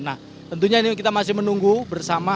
nah tentunya ini kita masih menunggu bersama